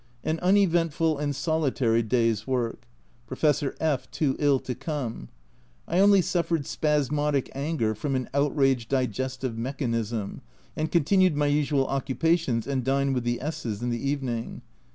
An uneventful and solitary day's work. Professor F too ill to come. I only suffered spasmodic anger from an outraged digestive mechan ism, and continued my usual occupations, and dined with the Sh s in the evening.